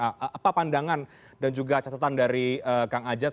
apa pandangan dan juga catatan dari kang ajat